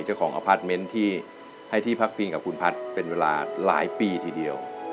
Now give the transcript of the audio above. เจ้าของที่ให้ที่พักพิงกับคุณภัทรเป็นเวลาหลายปีทีเดียว